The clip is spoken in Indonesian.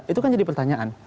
itu kan jadi pertanyaan